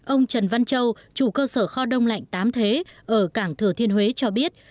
ông trần văn châu chủ cơ sở kho đông lạnh tám thế ở cảng thừa thiên huế cho biết